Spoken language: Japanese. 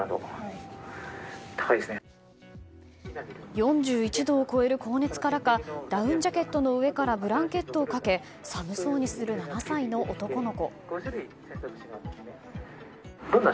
４１度を超える高熱からかダウンジャケットの上からブランケットをかけ寒そうにする７歳の男の子。